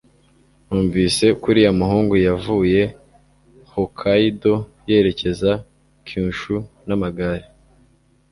Numvise ko uriya muhungu yavuye Hokkaido yerekeza Kyushu n'amagare